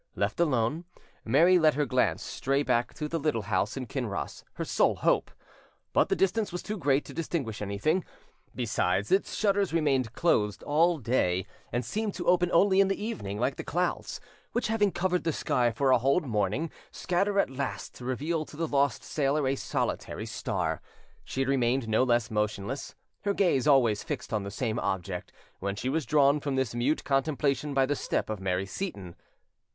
Left alone, Mary let her glance stray back to the little house in Kinross, her sole hope; but the distance was too great to distinguish anything; besides, its shutters remained closed all day, and seemed to open only in the evening, like the clouds, which, having covered the sky for a whole morning, scatter at last to reveal to the lost sailor a solitary star. She had remained no less motionless, her gaze always fixed on the same object, when she was drawn from this mute contemplation by the step of Mary Seyton.